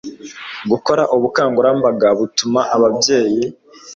gukora ubukangurambaga butuma ababyeyi